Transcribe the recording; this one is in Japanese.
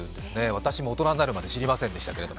私も大人になるまで知りませんでしたけど。